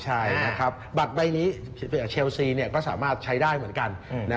ใช่บัตรใบนี้ก็ชะล้อเชลซีสามารถใช้ได้เหมือนกัน